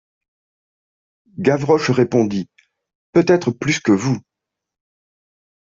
Gavroche répondit: — Peut-être plus que vous.